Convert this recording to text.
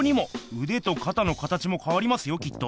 うでとかたの形もかわりますよきっと。